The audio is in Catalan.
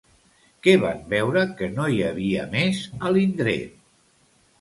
Què van veure que no hi havia més a l'indret?